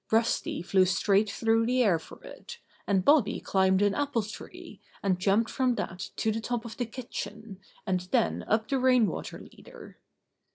Rusty flew straight through the air for it, and Bobby climbed an apple tree, and jumped from that to the top of the kitchen, and then up the rain water leader.